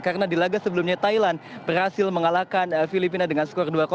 karena di laga sebelumnya thailand berhasil mengalahkan filipina dengan skor dua